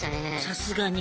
さすがに。